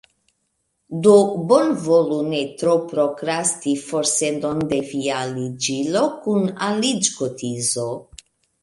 Do bonvolu ne tro prokrasti forsendon de via aliĝilo kun aliĝkotizo.